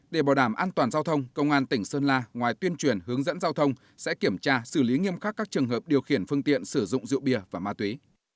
để bảo đảm an toàn giao thông công an tỉnh sơn la ngoài tuyên truyền hướng dẫn giao thông sẽ kiểm tra xử lý nghiêm khắc các trường hợp điều khiển phương tiện sử dụng rượu bia và ma túy